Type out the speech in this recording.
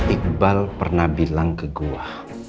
iqbal pernah bilang ke gue